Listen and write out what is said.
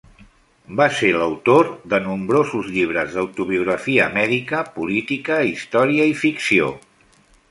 Va ser l'autor de nombrosos llibres d'autobiografia mèdica, política, història i ficció.